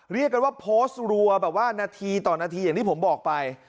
เรียกกันว่าโพสต์รัวแบบว่านาทีต่อนาทีอย่างที่ผมบอกไป